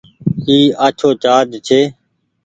اي آڇهو چآرج ڇي۔